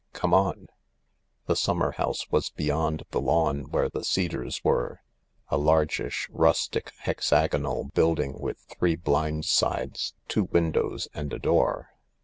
Come on." The summer house was beyond the lawn where the cedars were — a largish, rustic, hexagonal building with three blind sides, two windows, and a door.